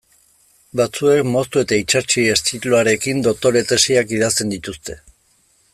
Batzuek moztu eta itsatsi estiloarekin doktore tesiak idazten dituzte.